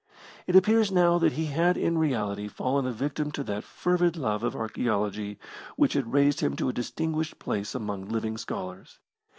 It appears now that he had in reality fallen a victim to that fervid love of archaeology which had raised him to a distinguished place among living scholars.